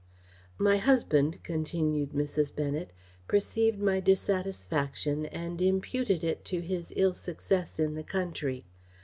"My husband," continued Mrs. Bennet, "perceived my dissatisfaction, and imputed it to his ill success in the country.